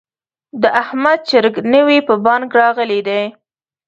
د احمد چرګ نوی په بانګ راغلی دی.